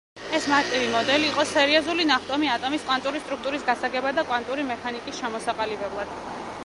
ეს მარტივი მოდელი იყო სერიოზული ნახტომი ატომის კვანტური სტრუქტურის გასაგებად და კვანტური მექანიკის ჩამოსაყალიბებლად.